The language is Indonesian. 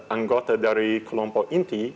anggota dari kelompok inti